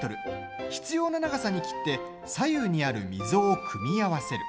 必要な長さに切って左右にある溝を組み合わせる。